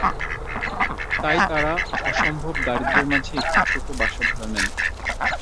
তাই তারা অসম্ভব দারিদ্র্যের মাঝে একটি ছোট বাসা ভাড়া নেন।